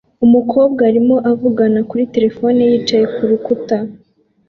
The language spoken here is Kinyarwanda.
Umukobwa arimo avugana kuri terefone yicaye ku rukuta